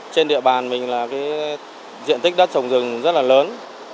trên địa bàn mình là cái diện tích đất trồng rừng rất là lớn